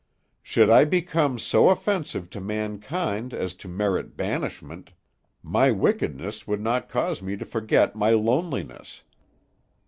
Should I become so offensive to mankind as to merit banishment, my wickedness would not cause me to forget my loneliness.